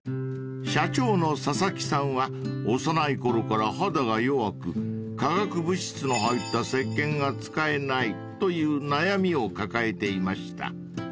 ［社長の佐々木さんは幼いころから肌が弱く化学物質の入った石鹸が使えないという悩みを抱えていました］